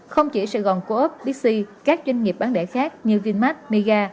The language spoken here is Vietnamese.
không chỉ sài gòn coop bixi các doanh nghiệp bán đẻ khác như vinmax mega